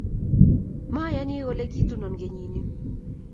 mayanii kole kitunon kenyi ni